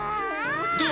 どう？